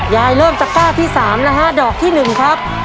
ยายเริ่มตะกร้าที่สามนะฮะดอกที่หนึ่งครับ